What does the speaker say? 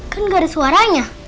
kan gak ada suaranya